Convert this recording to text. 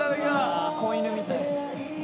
子犬みたい。